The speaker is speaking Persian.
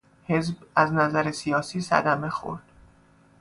حزب از نظر سیاسی صدمه خورد.